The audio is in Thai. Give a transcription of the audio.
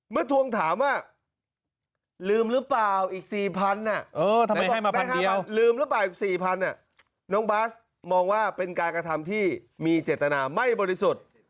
เมื่อทวงถามว่าลืมหรือเปล่าอีก๔๐๐๐บาทน้องบาสมองว่าเป็นการกระทำที่มีเจตนาไม่บริสุทธิ์